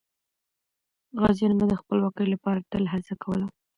غازیان به د خپلواکۍ لپاره تل هڅه کوله.